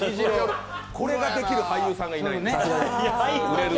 これができる俳優さんがいないんです。